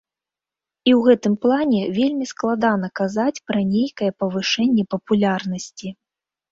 І ў гэтым плане вельмі складана казаць пра нейкае павышэнне папулярнасці.